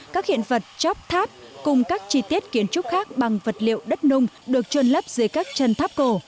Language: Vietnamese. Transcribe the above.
các hiện vật chóc tháp cùng các chi tiết kiến trúc khác bằng vật liệu đất nung được trôn lấp dưới các chân tháp cổ